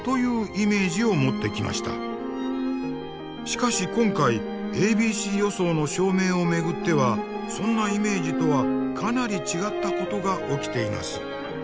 しかし今回ａｂｃ予想の証明を巡ってはそんなイメージとはかなり違ったことが起きています。